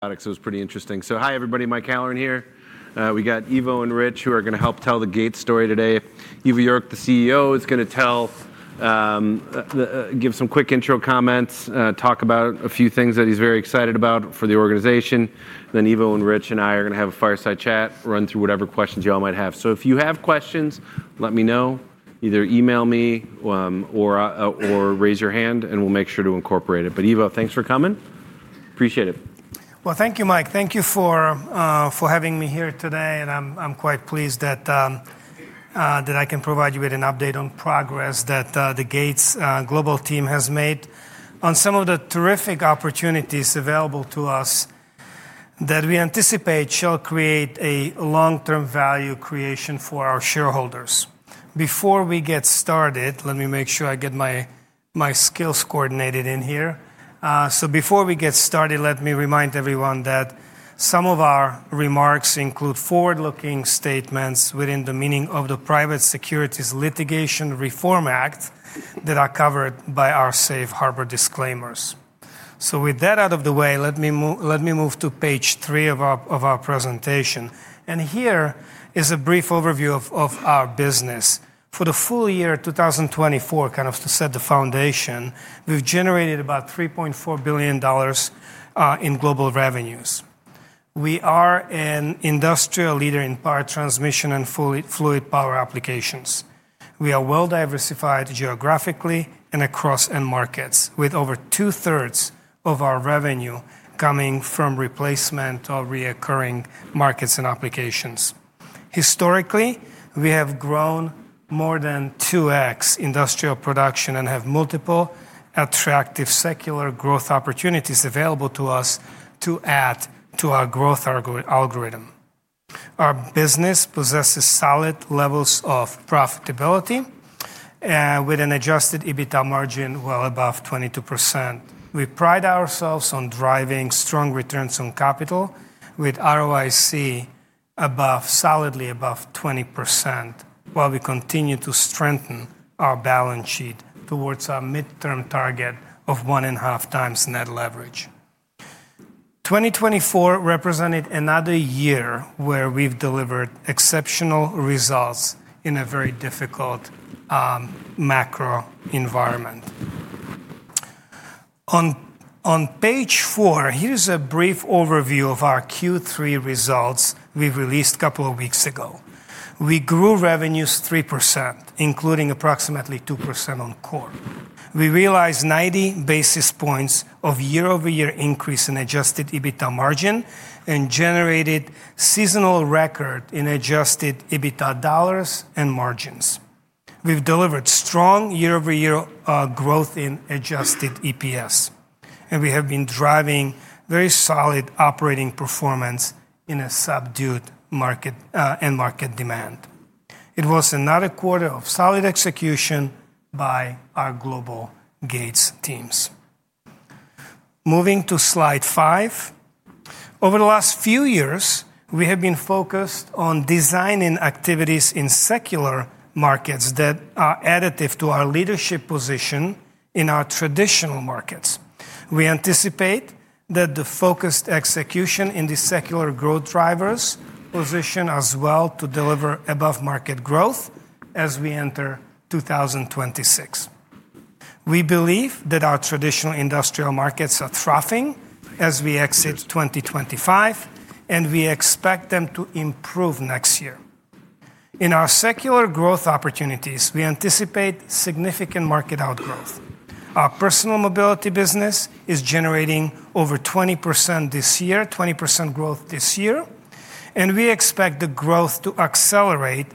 Product, so it was pretty interesting. Hi, everybody. Mike Alverne here. We got Ivo and Rich, who are going to help tell the Gates story today. Ivo Jurek, the CEO, is going to give some quick intro comments, talk about a few things that he's very excited about for the organization. Ivo and Rich and I are going to have a fireside chat, run through whatever questions you all might have. If you have questions, let me know. Either email me or raise your hand, and we'll make sure to incorporate it. Ivo, thanks for coming. Appreciate it. Thank you, Mike. Thank you for having me here today. I'm quite pleased that I can provide you with an update on progress that the Gates global team has made on some of the terrific opportunities available to us that we anticipate shall create a long-term value creation for our shareholders. Before we get started, let me make sure I get my skills coordinated in here. Before we get started, let me remind everyone that some of our remarks include forward-looking statements within the meaning of the Private Securities Litigation Reform Act that are covered by our Safe Harbor disclaimers. With that out of the way, let me move to page three of our presentation. Here is a brief overview of our business. For the full year 2024, kind of to set the foundation, we've generated about $3.4 billion in global revenues. We are an industrial leader in power transmission and fluid power applications. We are well-diversified geographically and across end markets, with over two-thirds of our revenue coming from replacement or recurring markets and applications. Historically, we have grown more than 2x industrial production and have multiple attractive secular growth opportunities available to us to add to our growth algorithm. Our business possesses solid levels of profitability with an adjusted EBITDA margin well above 22%. We pride ourselves on driving strong returns on capital, with ROIC solidly above 20%, while we continue to strengthen our balance sheet towards our midterm target of 1.5 times net leverage. 2024 represented another year where we've delivered exceptional results in a very difficult macro environment. On page four, here's a brief overview of our Q3 results we released a couple of weeks ago. We grew revenues 3%, including approximately 2% on core. We realized 90 basis points of year-over-year increase in adjusted EBITDA margin and generated seasonal record in adjusted EBITDA dollars and margins. We've delivered strong year-over-year growth in adjusted EPS, and we have been driving very solid operating performance in a subdued market and market demand. It was another quarter of solid execution by our global Gates teams. Moving to slide five. Over the last few years, we have been focused on designing activities in secular markets that are additive to our leadership position in our traditional markets. We anticipate that the focused execution in the secular growth drivers position us well to deliver above-market growth as we enter 2026. We believe that our traditional industrial markets are thriving as we exit 2025, and we expect them to improve next year. In our secular growth opportunities, we anticipate significant market outgrowth. Our personal mobility business is generating over 20% this year, 20% growth this year. We expect the growth to accelerate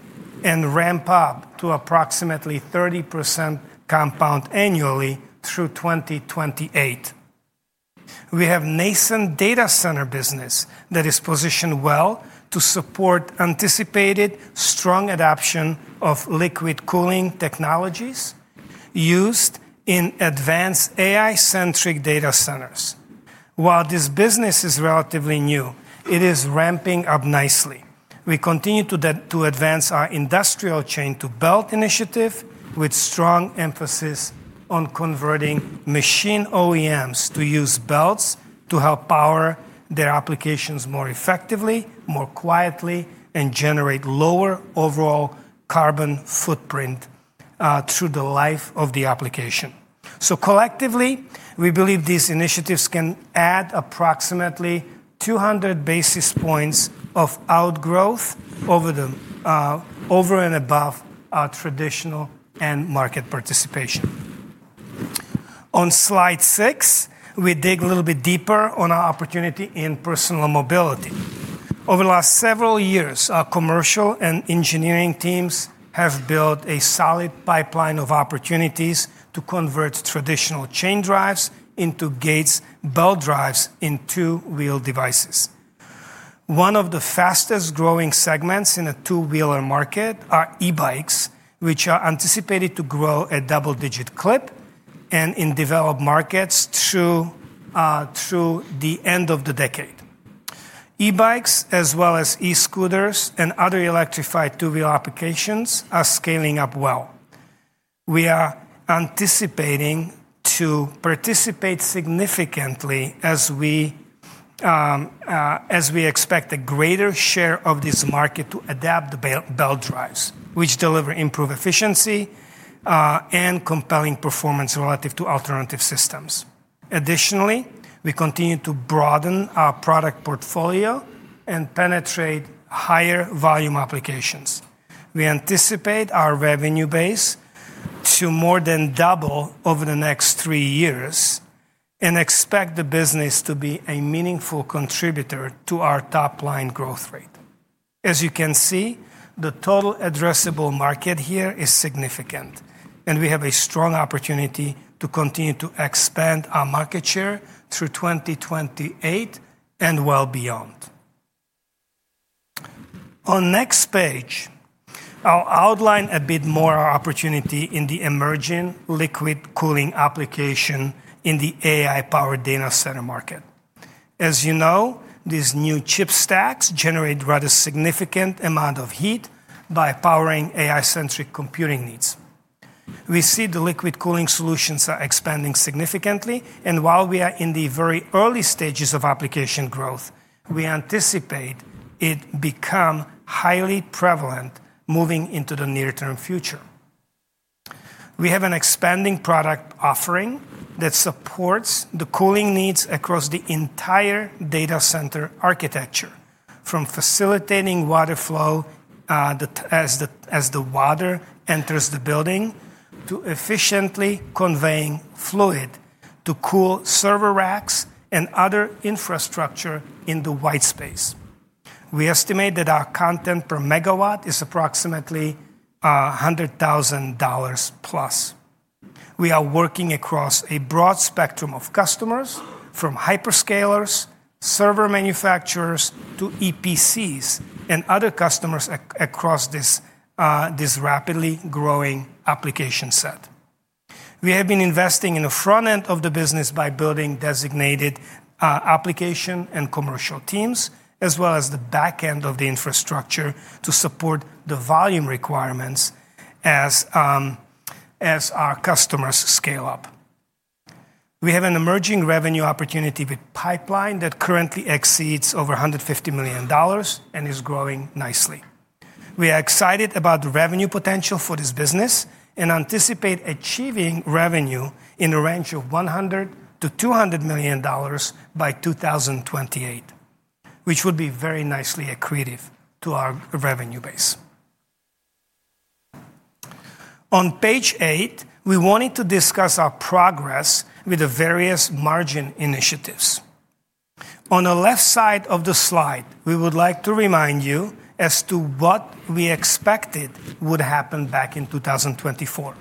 and ramp up to approximately 30% compound annually through 2028. We have a nascent data center business that is positioned well to support anticipated strong adoption of liquid cooling technologies used in advanced AI-centric data centers. While this business is relatively new, it is ramping up nicely. We continue to advance our industrial chain-to-belt initiative with strong emphasis on converting machine OEMs to use belts to help power their applications more effectively, more quietly, and generate lower overall carbon footprint through the life of the application. Collectively, we believe these initiatives can add approximately 200 basis points of outgrowth over and above our traditional end market participation. On slide six, we dig a little bit deeper on our opportunity in personal mobility. Over the last several years, our commercial and engineering teams have built a solid pipeline of opportunities to convert traditional chain drives into Gates belt drives in two-wheel devices. One of the fastest-growing segments in a two-wheeler market are e-bikes, which are anticipated to grow at double-digit clip and in developed markets through the end of the decade. E-bikes, as well as e-scooters and other electrified two-wheel applications, are scaling up well. We are anticipating to participate significantly as we expect a greater share of this market to adapt the belt drives, which deliver improved efficiency and compelling performance relative to alternative systems. Additionally, we continue to broaden our product portfolio and penetrate higher volume applications. We anticipate our revenue base to more than double over the next three years and expect the business to be a meaningful contributor to our top-line growth rate. As you can see, the total addressable market here is significant, and we have a strong opportunity to continue to expand our market share through 2028 and well beyond. On the next page, I'll outline a bit more our opportunity in the emerging liquid cooling application in the AI-powered data center market. As you know, these new chip stacks generate a rather significant amount of heat by powering AI-centric computing needs. We see the liquid cooling solutions are expanding significantly. While we are in the very early stages of application growth, we anticipate it becoming highly prevalent moving into the near-term future. We have an expanding product offering that supports the cooling needs across the entire data center architecture, from facilitating water flow as the water enters the building to efficiently conveying fluid to cool server racks and other infrastructure in the white space. We estimate that our content per megawatt is approximately $100,000 plus. We are working across a broad spectrum of customers, from hyperscalers, server manufacturers, to EPCs and other customers across this rapidly growing application set. We have been investing in the front end of the business by building designated application and commercial teams, as well as the back end of the infrastructure to support the volume requirements as our customers scale up. We have an emerging revenue opportunity with pipeline that currently exceeds over $150 million and is growing nicely. We are excited about the revenue potential for this business and anticipate achieving revenue in the range of $100-$200 million by 2028, which would be very nicely accretive to our revenue base. On page eight, we wanted to discuss our progress with the various margin initiatives. On the left side of the slide, we would like to remind you as to what we expected would happen back in 2024.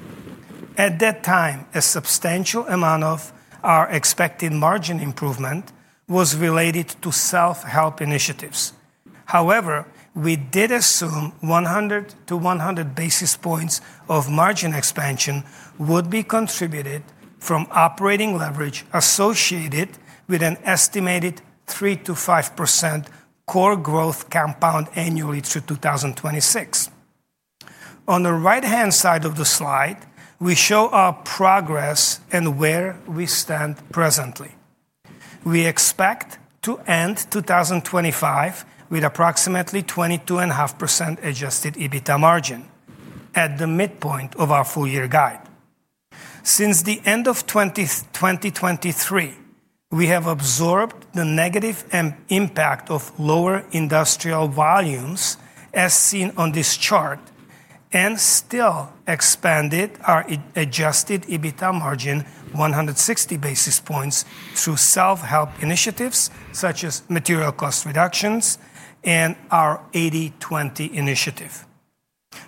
At that time, a substantial amount of our expected margin improvement was related to self-help initiatives. However, we did assume 100-100 basis points of margin expansion would be contributed from operating leverage associated with an estimated 3%-5% core growth compound annually through 2026. On the right-hand side of the slide, we show our progress and where we stand presently. We expect to end 2025 with approximately 22.5% adjusted EBITDA margin at the midpoint of our full-year guide. Since the end of 2023, we have absorbed the negative impact of lower industrial volumes, as seen on this chart, and still expanded our adjusted EBITDA margin 160 basis points through self-help initiatives such as material cost reductions and our 80/20 initiative.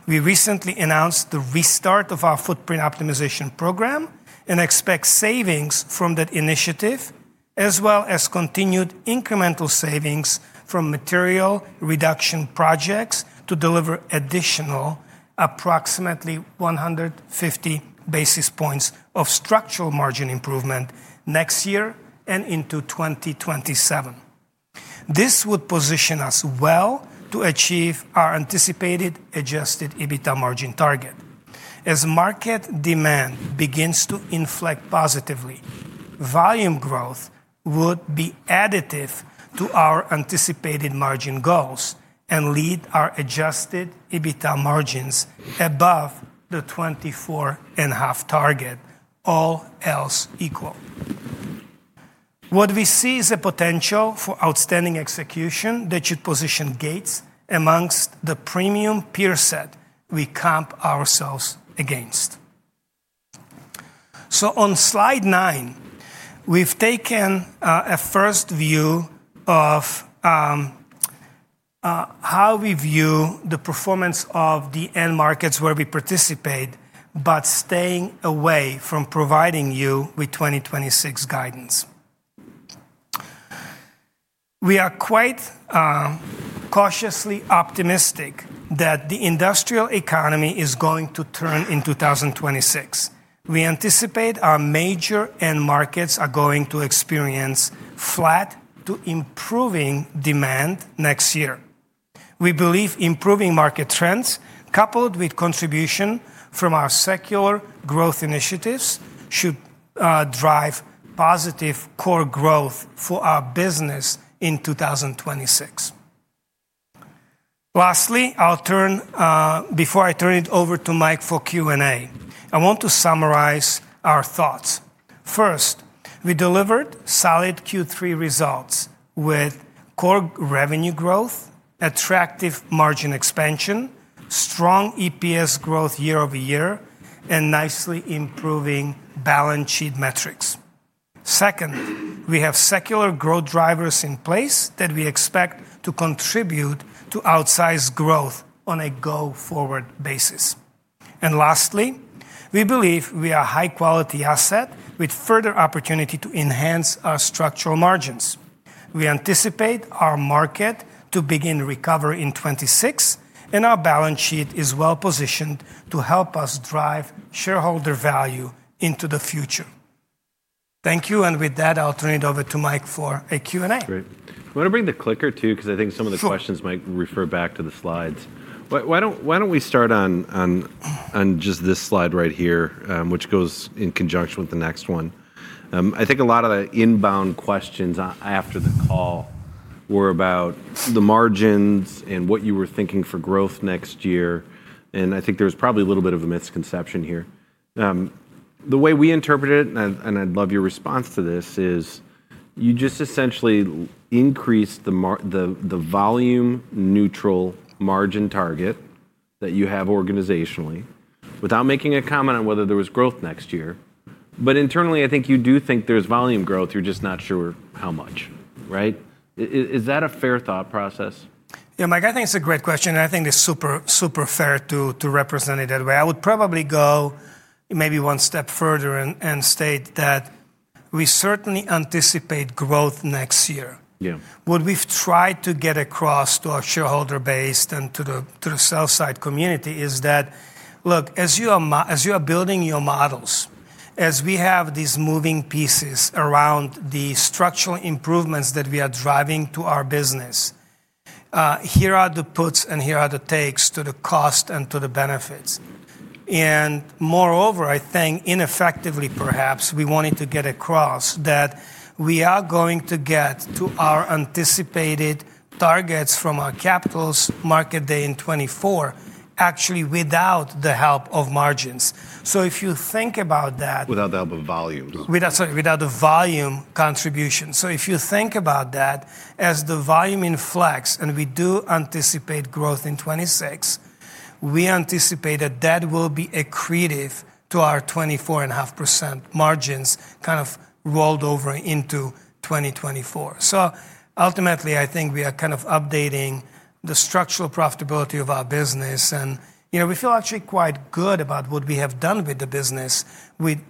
We recently announced the restart of our footprint optimization program and expect savings from that initiative, as well as continued incremental savings from material reduction projects to deliver additional approximately 150 basis points of structural margin improvement next year and into 2027. This would position us well to achieve our anticipated adjusted EBITDA margin target. As market demand begins to inflate positively, volume growth would be additive to our anticipated margin goals and lead our adjusted EBITDA margins above the 24.5 target, all else equal. What we see is a potential for outstanding execution that should position Gates amongst the premium peer set we comp ourselves against. On slide nine, we have taken a first view of how we view the performance of the end markets where we participate, but staying away from providing you with 2026 guidance. We are quite cautiously optimistic that the industrial economy is going to turn in 2026. We anticipate our major end markets are going to experience flat to improving demand next year. We believe improving market trends, coupled with contribution from our secular growth initiatives, should drive positive core growth for our business in 2026. Lastly, before I turn it over to Mike for Q&A, I want to summarize our thoughts. First, we delivered solid Q3 results with core revenue growth, attractive margin expansion, strong EPS growth year-over-year, and nicely improving balance sheet metrics. Second, we have secular growth drivers in place that we expect to contribute to outsized growth on a go-forward basis. Lastly, we believe we are a high-quality asset with further opportunity to enhance our structural margins. We anticipate our market to begin recovery in 2026, and our balance sheet is well positioned to help us drive shareholder value into the future. Thank you. With that, I'll turn it over to Mike for a Q&A. Great. I want to bring the clicker too, because I think some of the questions might refer back to the slides. Why don't we start on just this slide right here, which goes in conjunction with the next one? I think a lot of the inbound questions after the call were about the margins and what you were thinking for growth next year. I think there was probably a little bit of a misconception here. The way we interpret it, and I'd love your response to this, is you just essentially increased the volume-neutral margin target that you have organizationally without making a comment on whether there was growth next year. Internally, I think you do think there's volume growth. You're just not sure how much, right? Is that a fair thought process? Yeah, Mike, I think it's a great question. I think it's super fair to represent it that way. I would probably go maybe one step further and state that we certainly anticipate growth next year. What we've tried to get across to our shareholder base and to the sell-side community is that, look, as you are building your models, as we have these moving pieces around the structural improvements that we are driving to our business, here are the puts and here are the takes to the cost and to the benefits. Moreover, I think ineffectively, perhaps, we wanted to get across that we are going to get to our anticipated targets from our capital market day in 2024, actually without the help of margins. If you think about that. Without the help of volume. Sorry, without the volume contribution. If you think about that, as the volume inflects and we do anticipate growth in 2026, we anticipate that that will be accretive to our 24.5% margins kind of rolled over into 2024. Ultimately, I think we are kind of updating the structural profitability of our business. We feel actually quite good about what we have done with the business with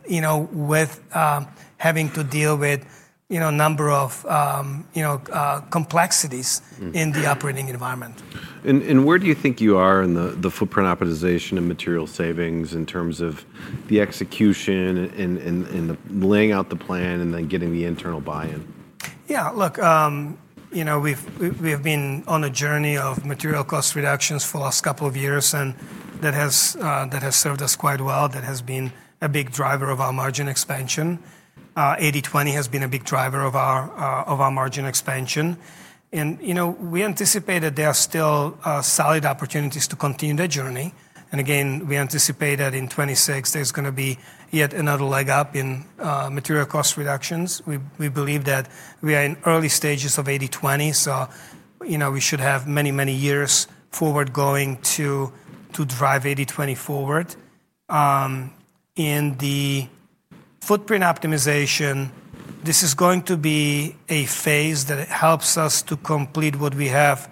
having to deal with a number of complexities in the operating environment. Where do you think you are in the footprint optimization and material savings in terms of the execution and laying out the plan and then getting the internal buy-in? Yeah, look, we've been on a journey of material cost reductions for the last couple of years, and that has served us quite well. That has been a big driver of our margin expansion. 80/20 has been a big driver of our margin expansion. We anticipate that there are still solid opportunities to continue the journey. Again, we anticipate that in 2026, there is going to be yet another leg up in material cost reductions. We believe that we are in early stages of 80/20, so we should have many, many years forward going to drive 80/20 forward. In the footprint optimization, this is going to be a phase that helps us to complete what we have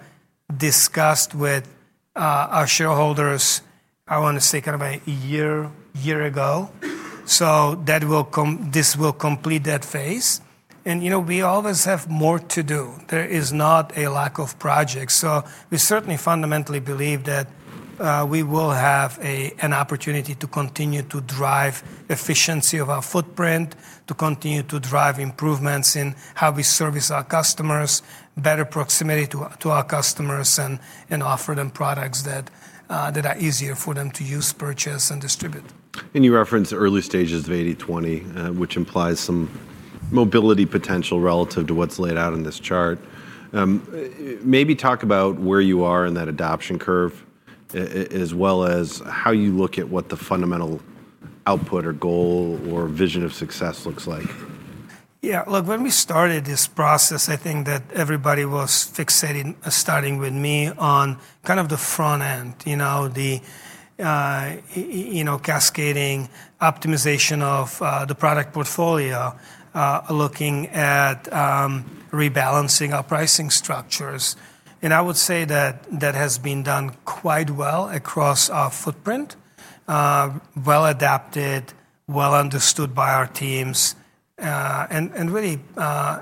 discussed with our shareholders, I want to say, kind of a year ago. This will complete that phase. We always have more to do. There is not a lack of projects. We certainly fundamentally believe that we will have an opportunity to continue to drive efficiency of our footprint, to continue to drive improvements in how we service our customers, better proximity to our customers, and offer them products that are easier for them to use, purchase, and distribute. You referenced early stages of 80/20, which implies some mobility potential relative to what's laid out in this chart. Maybe talk about where you are in that adoption curve, as well as how you look at what the fundamental output or goal or vision of success looks like. Yeah, look, when we started this process, I think that everybody was fixated, starting with me, on kind of the front end, the cascading optimization of the product portfolio, looking at rebalancing our pricing structures. I would say that that has been done quite well across our footprint, well adapted, well understood by our teams, and really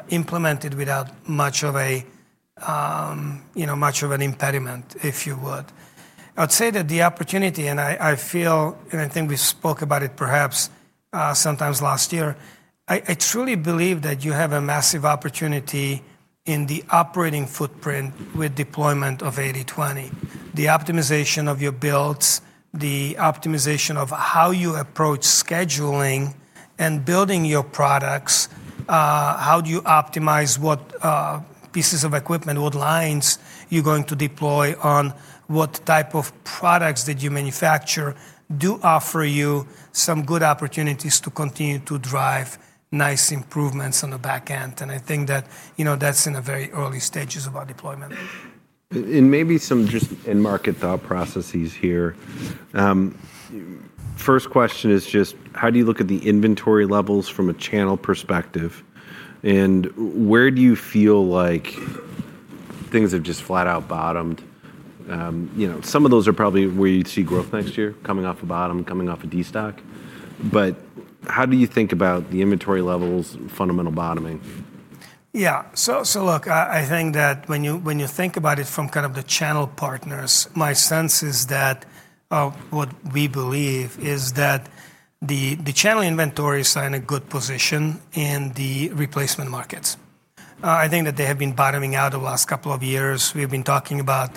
implemented without much of an impediment, if you would. I would say that the opportunity, and I feel, and I think we spoke about it perhaps sometime last year, I truly believe that you have a massive opportunity in the operating footprint with deployment of 80/20, the optimization of your builds, the optimization of how you approach scheduling and building your products, how do you optimize what pieces of equipment, what lines you're going to deploy, on what type of products that you manufacture do offer you some good opportunities to continue to drive nice improvements on the back end. I think that that's in the very early stages of our deployment. Maybe some just in-market thought processes here. First question is just, how do you look at the inventory levels from a channel perspective? Where do you feel like things have just flat out bottomed? Some of those are probably where you'd see growth next year, coming off a bottom, coming off a destock. How do you think about the inventory levels, fundamental bottoming? Yeah, look, I think that when you think about it from kind of the channel partners, my sense is that what we believe is that the channel inventories are in a good position in the replacement markets. I think that they have been bottoming out the last couple of years. We've been talking about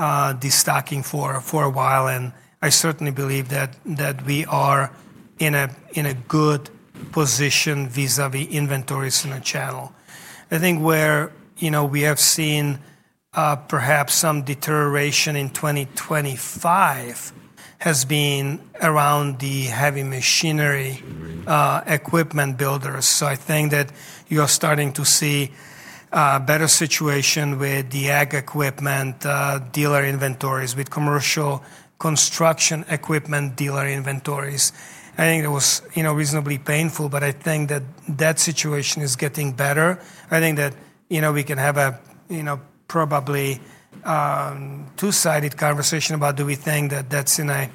destocking for a while, and I certainly believe that we are in a good position vis-à-vis inventories in the channel. I think where we have seen perhaps some deterioration in 2025 has been around the heavy machinery equipment builders. I think that you're starting to see a better situation with the ag equipment dealer inventories, with commercial construction equipment dealer inventories. I think that was reasonably painful, but I think that that situation is getting better. I think that we can have a probably two-sided conversation about do we think that that's in a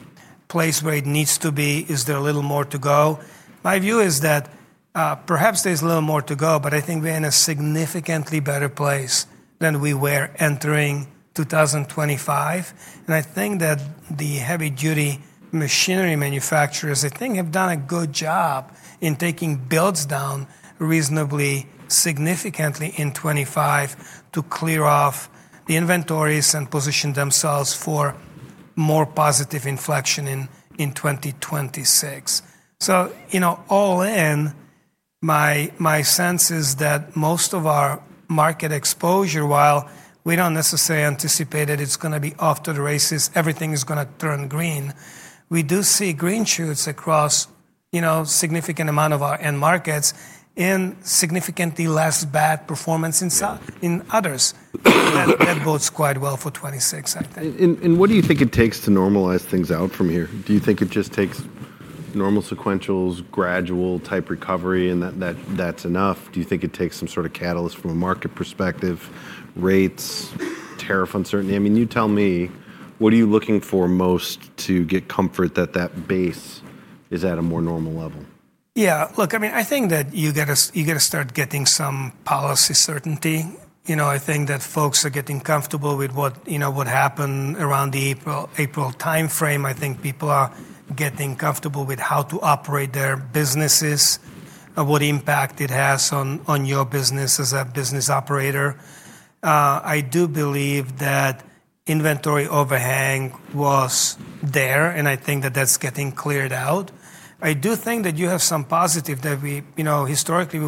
place where it needs to be, is there a little more to go? My view is that perhaps there's a little more to go, but I think we're in a significantly better place than we were entering 2025. I think that the heavy-duty machinery manufacturers, I think, have done a good job in taking builds down reasonably significantly in 2025 to clear off the inventories and position themselves for more positive inflection in 2026. All in, my sense is that most of our market exposure, while we don't necessarily anticipate that it's going to be off to the races, everything is going to turn green. We do see green shoots across a significant amount of our end markets and significantly less bad performance in others. That bodes quite well for 2026, I think. What do you think it takes to normalize things out from here? Do you think it just takes normal sequentials, gradual type recovery, and that's enough? Do you think it takes some sort of catalyst from a market perspective, rates, tariff uncertainty? I mean, you tell me, what are you looking for most to get comfort that that base is at a more normal level? Yeah, look, I mean, I think that you got to start getting some policy certainty. I think that folks are getting comfortable with what happened around the April timeframe. I think people are getting comfortable with how to operate their businesses, what impact it has on your business as a business operator. I do believe that inventory overhang was there, and I think that that's getting cleared out. I do think that you have some positive that historically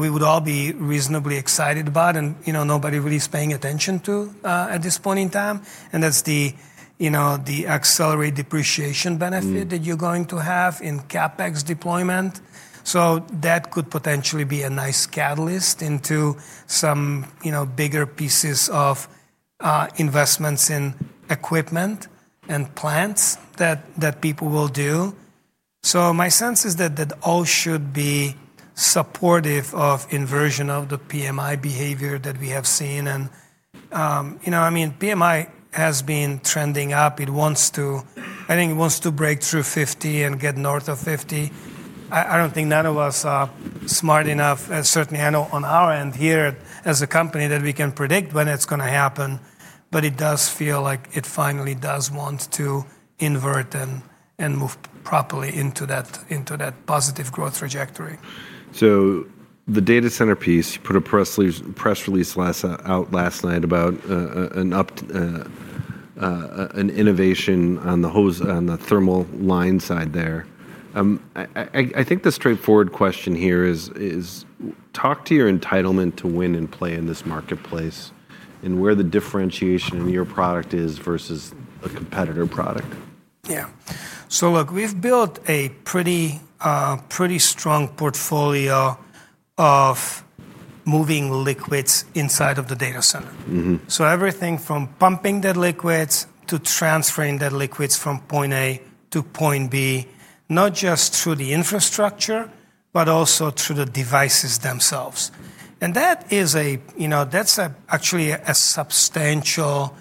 we would all be reasonably excited about and nobody really is paying attention to at this point in time. That's the accelerated depreciation benefit that you're going to have in CapEx deployment. That could potentially be a nice catalyst into some bigger pieces of investments in equipment and plants that people will do. My sense is that that all should be supportive of inversion of the PMI behavior that we have seen. I mean, PMI has been trending up. I think it wants to break through 50 and get north of 50. I don't think any of us are smart enough, certainly on our end here as a company, that we can predict when it's going to happen. It does feel like it finally does want to invert and move properly into that positive growth trajectory. The data center piece, you put a press release out last night about an innovation on the thermal line side there. I think the straightforward question here is, talk to your entitlement to win and play in this marketplace and where the differentiation in your product is versus a competitor product. Yeah. Look, we've built a pretty strong portfolio of moving liquids inside of the data center. Everything from pumping that liquids to transferring that liquids from point A to point B, not just through the infrastructure, but also through the devices themselves. That is actually a substantial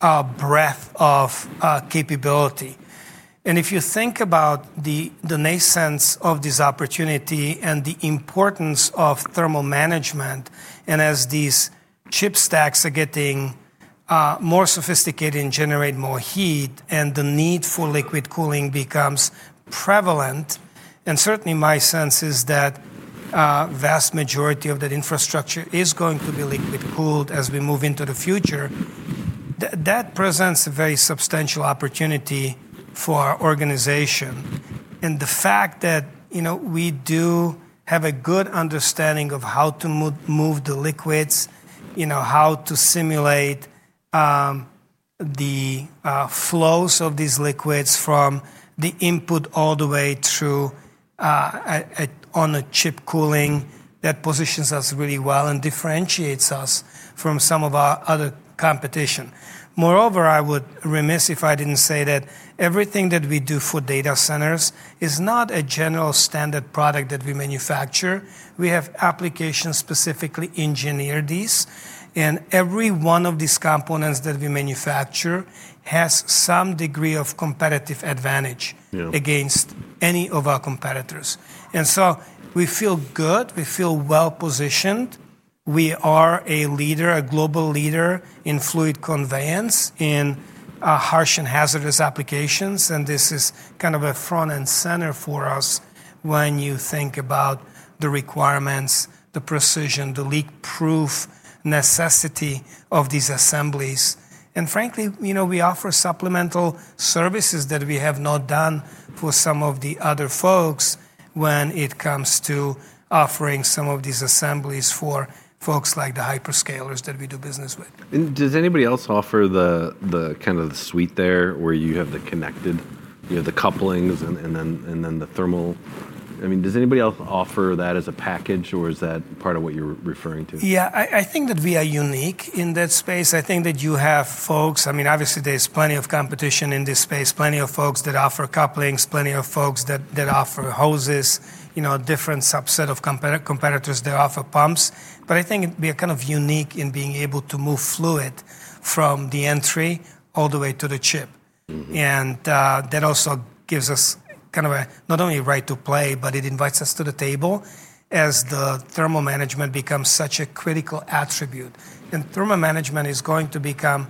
breadth of capability. If you think about the nascence of this opportunity and the importance of thermal management, as these chip stacks are getting more sophisticated and generate more heat, and the need for liquid cooling becomes prevalent, my sense is that the vast majority of that infrastructure is going to be liquid-cooled as we move into the future. That presents a very substantial opportunity for our organization. The fact that we do have a good understanding of how to move the liquids, how to simulate the flows of these liquids from the input all the way through on a chip cooling, that positions us really well and differentiates us from some of our other competition. Moreover, I would be remiss if I did not say that everything that we do for data centers is not a general standard product that we manufacture. We have applications specifically engineered for these. Every one of these components that we manufacture has some degree of competitive advantage against any of our competitors. We feel good. We feel well-positioned. We are a leader, a global leader in fluid conveyance in harsh and hazardous applications. This is kind of front and center for us when you think about the requirements, the precision, the leak-proof necessity of these assemblies. Frankly, we offer supplemental services that we have not done for some of the other folks when it comes to offering some of these assemblies for folks like the hyperscalers that we do business with. Does anybody else offer the kind of suite there where you have the connected, the couplings, and then the thermal? I mean, does anybody else offer that as a package, or is that part of what you're referring to? Yeah, I think that we are unique in that space. I think that you have folks, I mean, obviously, there's plenty of competition in this space, plenty of folks that offer couplings, plenty of folks that offer hoses, different subset of competitors that offer pumps. I think we are kind of unique in being able to move fluid from the entry all the way to the chip. That also gives us kind of a not only right to play, but it invites us to the table as the thermal management becomes such a critical attribute. Thermal management is going to become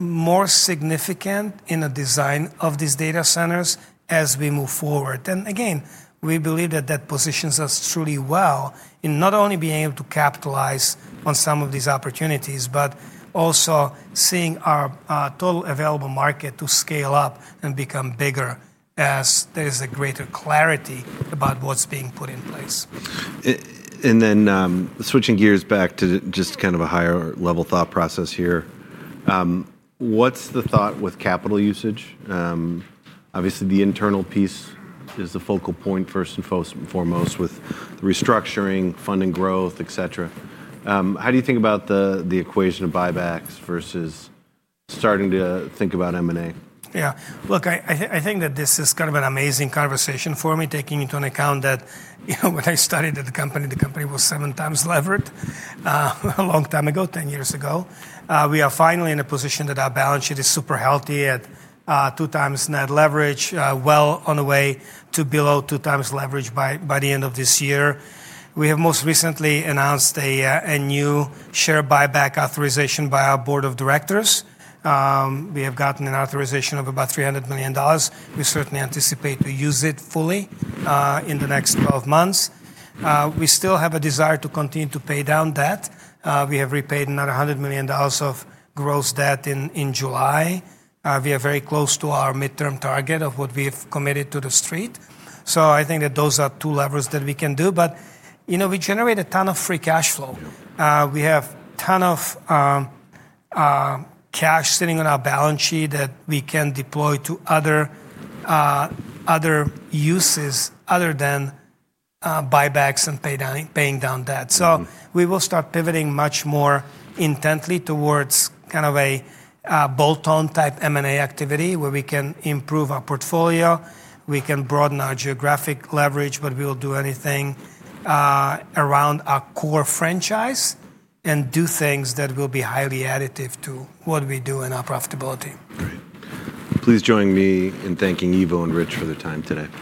more significant in the design of these data centers as we move forward. Again, we believe that that positions us truly well in not only being able to capitalize on some of these opportunities, but also seeing our total available market to scale up and become bigger as there is a greater clarity about what's being put in place. Switching gears back to just kind of a higher-level thought process here. What's the thought with capital usage? Obviously, the internal piece is the focal point first and foremost with restructuring, funding growth, etc. How do you think about the equation of buybacks versus starting to think about M&A? Yeah, look, I think that this is kind of an amazing conversation for me, taking into account that when I started at the company, the company was seven times levered a long time ago, 10 years ago. We are finally in a position that our balance sheet is super healthy at two times net leverage, well on the way to below two times leverage by the end of this year. We have most recently announced a new share buyback authorization by our board of directors. We have gotten an authorization of about $300 million. We certainly anticipate to use it fully in the next 12 months. We still have a desire to continue to pay down debt. We have repaid another $100 million of gross debt in July. We are very close to our midterm target of what we've committed to the street. I think that those are two levers that we can do. We generate a ton of free cash flow. We have a ton of cash sitting on our balance sheet that we can deploy to other uses other than buybacks and paying down debt. We will start pivoting much more intently towards kind of a bolt-on type M&A activity where we can improve our portfolio. We can broaden our geographic leverage, but we will do anything around our core franchise and do things that will be highly additive to what we do in our profitability. Great. Please join me in thanking Ivo and Rich for their time today.